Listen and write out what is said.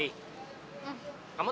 ah cuman yuk